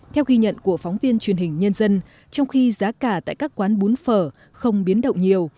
theo ghi nhận của phóng viên truyền hình nhân dân trong khi giá cả tại các quán bún phở không biến động nhiều